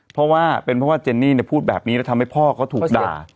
เพราะว่าเป็นเพราะว่าเจนนี่พูดแบบนี้แล้วทำให้พ่อเขาถูกด่า